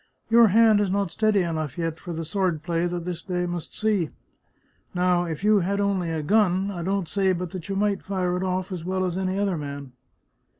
" Your hand is not steady enough yet for the sword play that this day must see! Now, if you had only a gun, I don't say but that you might fire it off as well as any other man."